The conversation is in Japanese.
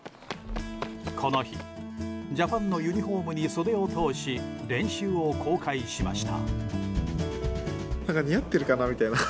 この日「ＪＡＰＡＮ」のユニホームに袖を通し練習を公開しました。